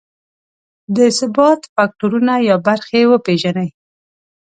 د ثبات فکټورونه یا برخې وپېژني.